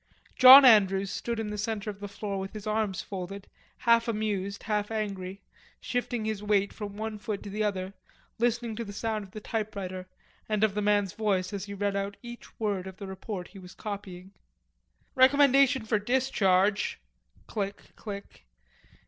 John Andrews stood in the center of the floor with his arms folded, half amused, half angry, shifting his weight from one foot to the other, listening to the sound of the typewriter and of the man's voice as he read out each word of the report he was copying. "Recommendation for discharge"... click, click...